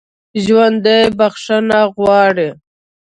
ژوندي بخښنه غواړي